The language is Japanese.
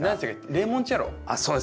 レモンチェッロ。